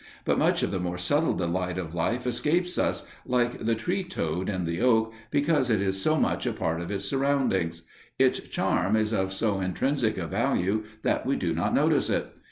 But much of the more subtle delight of life escapes us, like the tree toad in the oak, because it is so much a part of its surroundings; its charm is of so intrinsic a value that we do not notice it.